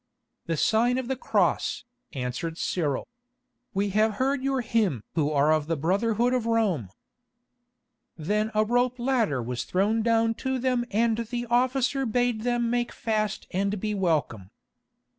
"The sign of the Cross," answered Cyril. "We have heard your hymn who are of the brotherhood of Rome." Then a rope ladder was thrown down to them and the officer bade them make fast and be welcome.